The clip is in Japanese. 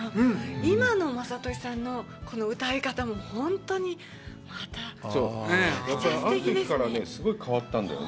今の雅俊さんのこの歌い方も本当にまためちゃくちゃすてきですね。